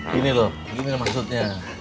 gini loh gini maksudnya